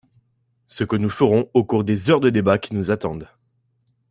C’est ce que nous ferons au cours des heures de débat qui nous attendent.